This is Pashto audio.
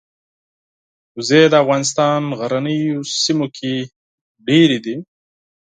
وزې د افغانستان غرنیو سیمو کې ډېرې دي